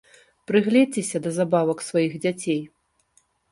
Прыгледзьцеся да забавак сваіх дзяцей.